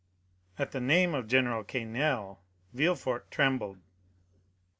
At the name of General Quesnel, Villefort trembled.